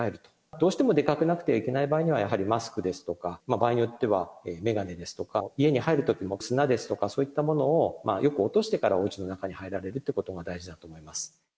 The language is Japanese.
どうしても出かけなくてはいけない場合はマスクですとか場合によっては眼鏡ですとか家に入る時も砂ですとかよく落としてから、おうちの中に入られるということが大事だと思います。